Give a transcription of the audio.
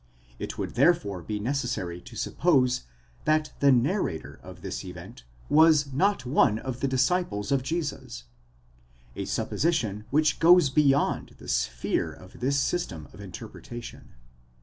It would therefore be necessary to suppose that the narrator of this event was not one of the disciples of Jesus: a supposition which goes beyond the sphere of this system of interpretation.